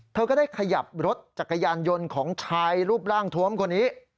เธอก็ได้ขยับรถจักรยานยนต์ของชายรูปร่างทวมคนนี้